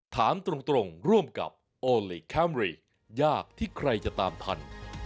ถามตรงร่วมกับโอลี่คัมรี่ยากที่ใครจะตามทัน